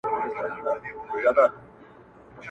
شاهدان مي سره ګلاب او پسرلي دي,